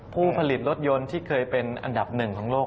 ผู้ผลิตรถยนต์ที่เคยเป็นอันดับหนึ่งของโลก